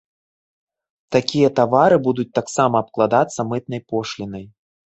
Такія тавары будуць таксама абкладацца мытнай пошлінай.